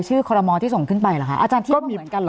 คอรมอลที่ส่งขึ้นไปเหรอคะอาจารย์คิดว่าเหมือนกันเหรอ